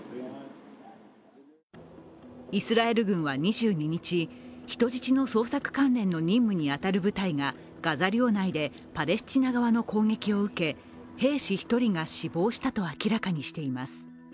イスラエル軍は２２日、人質の捜索関連の任務に当たる部隊がガザ領内でパレスチナ側の攻撃を受け兵士１人が死亡したと明らかにしています。